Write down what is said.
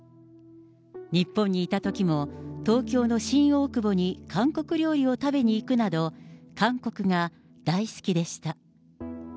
日本にいたときも東京の新大久保に韓国料理を食べに行くなど、韓国が大好きでした。